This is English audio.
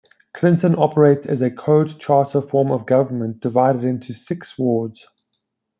Clinton operates as a Code Charter form of government, divided into six Wards.